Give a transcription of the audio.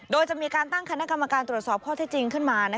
โดยจะมีการตั้งคณะกรรมการตรวจสอบข้อที่จริงขึ้นมา